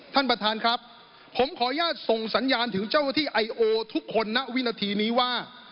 ท่านประธานครับผมขออนุญาตส่งสัญญาณถึงเจ้าหน้าที่ไอโอทุกคนณวินาทีนี้ว่า